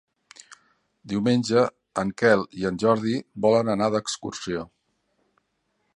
Diumenge en Quel i en Jordi volen anar d'excursió.